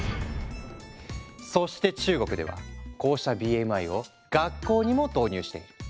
そして中国ではこうしたＢＭＩを学校にも導入している。